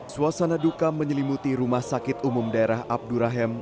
suasana duka menyelimuti rumah sakit umum daerah abdurrahim